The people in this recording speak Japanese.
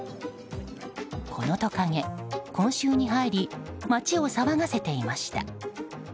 このトカゲ、今週に入り街を騒がせていました。